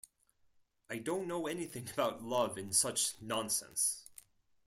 I don't know anything about love and such nonsense!